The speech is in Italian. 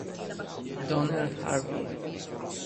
Donnell Harvey